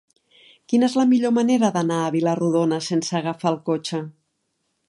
Quina és la millor manera d'anar a Vila-rodona sense agafar el cotxe?